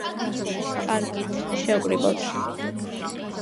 კარგით, შევკრიბოთ.